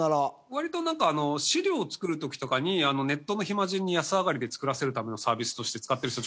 割となんか資料を作る時とかにネットの暇人に安上がりで作らせるためのサービスとして使ってる人。